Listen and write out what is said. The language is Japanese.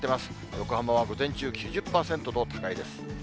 横浜は午前中９０％と高いです。